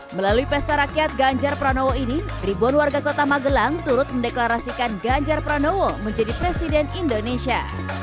melalui pesta rakyat ganjar pranowo ini ribuan warga kota magelang turut mendeklarasikan ganjar pranowo menjadi presiden indonesia